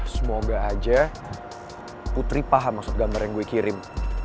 semoga aja putri paham maksud gambar yang gue kirim